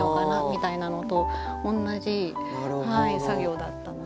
みたいなのと同じ作業だったので。